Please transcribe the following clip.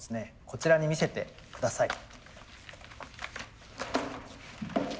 こちらに見せて下さい。